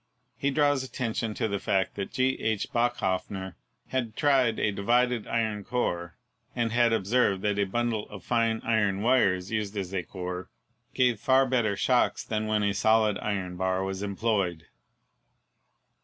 He draws attention to the fact that G. H. Bachhoffner had tried a divided iron core and had observed that a bundle of fine iron wires used as a core gave far better shocks than when a solid iron bar was employed.